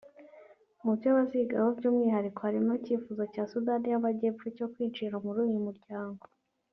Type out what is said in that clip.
Mu byo bazigaho by’umwihariko harimo icyifuzo cya Sudani y’Amajyepfo cyo kwinjira muri uyu muryango